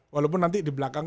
walaupun nanti di belakang